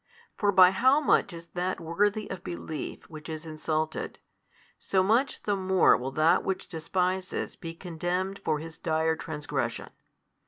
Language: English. For by how much is that worthy of belief which is insulted, so much the more will that which despises be condemned for his dire transgression.